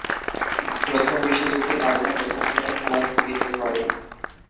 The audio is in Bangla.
প্রথম বিশ্বযুদ্ধের কারণে প্রথম-শ্রেণীর খেলা স্থগিত হয়ে পড়ে।